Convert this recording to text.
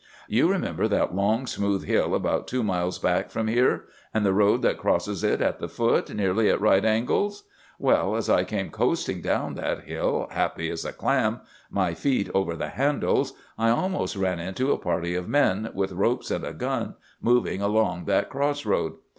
You remember that long, smooth hill about two miles back from here, and the road that crosses it at the foot, nearly at right angles? Well, as I came coasting down that hill, happy as a clam, my feet over the handles, I almost ran into a party of men, with ropes and a gun, moving along that cross road.